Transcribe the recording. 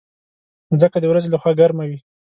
مځکه د ورځې له خوا ګرمه وي.